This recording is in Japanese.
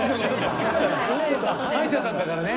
歯医者さんだからね。